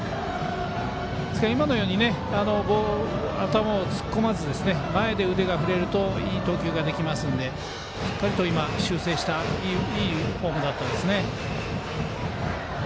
今のように頭を突っ込まず前で腕が振れるといい投球ができますのでしっかりと修正したいいフォームでした。